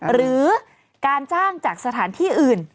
หรือการจ้างจากสถานที่อื่น